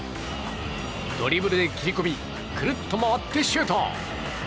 ドリブルで切り込みくるっと回ってシュート。